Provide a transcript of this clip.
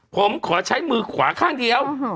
ผมขอใช้มือขวาข้างเดียว